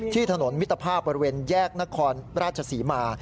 ถนนมิตรภาพบริเวณแยกนครราชศรีมา